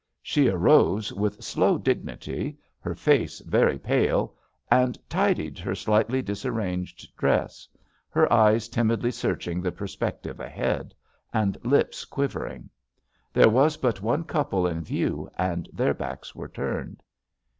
She arose with slow dig nity, her face very pale, and tidied her slightly disarranged dress, her eyes timidly searching the perspective ahead, and lips quivering. There was but one couple in view and their backs were turned.